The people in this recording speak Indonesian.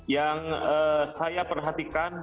yang saya perhatikan